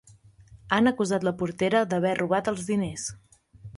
Han acusat la portera d'haver robat els diners.